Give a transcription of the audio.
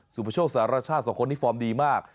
สุพชกษรรชาติสองคนที่ฟอร์มดีมาก